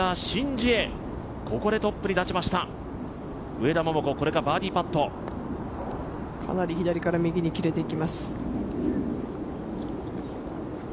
上田桃子、これがバーディーパットかなり左から右に切れていきます。